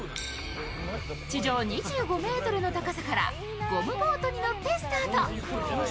地上２５ｍの高さからゴムボートに乗ってスタート。